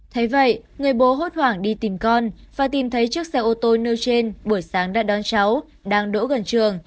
thế vậy người bố hốt hoảng đi tìm con và tìm thấy chiếc xe ô tô nêu trên buổi sáng đã đón cháu đang đỗ gần trường